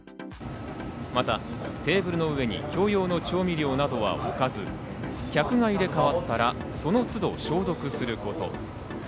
またテーブルの上に共用の調味料などは置かず、客が入れ替わったら、その都度消毒すること。